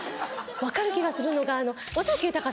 分かる気がするのが。